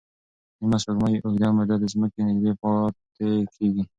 نیمه سپوږمۍ اوږده موده د ځمکې نږدې پاتې کېږي.